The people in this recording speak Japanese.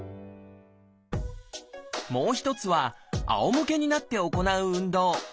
もう一つはあおむけになって行う運動。